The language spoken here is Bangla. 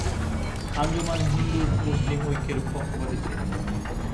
আঞ্জুমান হিন্দু-মুসলিম ঐক্যের পক্ষপাতী ছিল।